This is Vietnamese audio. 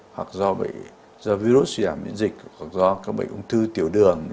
hoặc do virus suy giảm biến dịch hoặc do các bệnh vụng thư tiểu đường